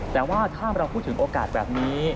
แต่ว่าถ้าเราพูดถึงโอกาสแบบนี้